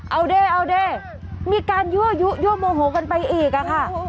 เอาด้วยมีการยั่วโมโฮกันไปอีกอะค่ะ